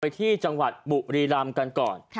ที่จังหวัดบุรีรำกันก่อน